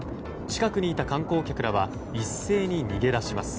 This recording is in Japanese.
近くにいた観光客らは一斉に逃げ出します。